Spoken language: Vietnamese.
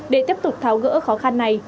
để tiếp tục tháo gỡ khó khăn này